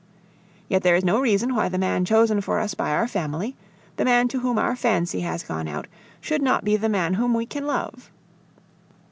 Yet there is no reason why the man chosen for us by our family, the man to whom our fancy has gone out, should not be the man whom we can love.